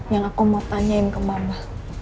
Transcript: yang aku mau tanyain ke mama